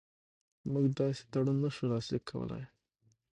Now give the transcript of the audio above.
موږ داسې تړون نه شو لاسلیک کولای.